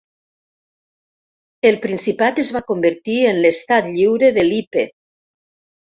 El Principat es va convertir en l'Estat Lliure de Lippe.